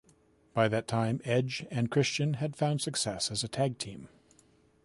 By that time, Edge and Christian had found success as a tag team.